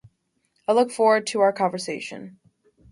I look forward to our conversation.